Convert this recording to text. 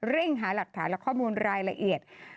เร่งหาหลักฐานและข้อมูลรายละเอียด